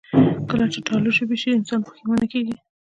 کله چې تالو ژبې شي، انسان پښېمانه کېږي